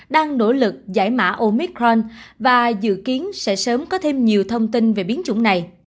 đang nỗ lực giải mã omic cron và dự kiến sẽ sớm có thêm nhiều thông tin về biến chủng này